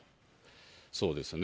そうですね。